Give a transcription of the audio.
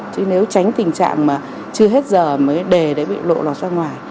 chứ nếu tránh tình trạng mà chưa hết giờ mới đề đấy bị lộ lọt ra ngoài